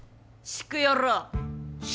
シクヨロ？